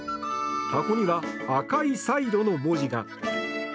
箱には「赤いサイロ」の文字が。